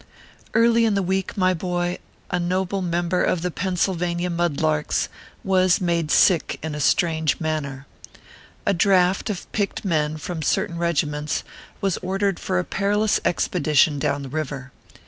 Early in the week, my boy, a noble member of the Pennsylvania Mud larks was made sick in a strange manner. A draft of picked men from certain regi ments was ordered for a perilous expedition down the river.